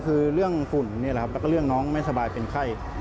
คือเรื่องฝุ่นนี่แหละครับแล้วก็เรื่องน้องไม่สบายเป็นไข้